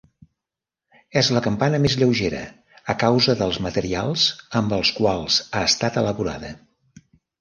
És la campana més lleugera, a causa dels materials amb els quals ha estat elaborada.